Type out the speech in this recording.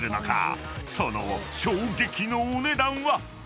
［その衝撃のお値段は⁉］